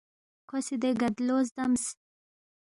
کھو سی دے گدلو زدمس